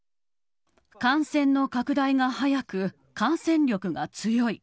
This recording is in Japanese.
感染の拡大が速く、感染力が強い。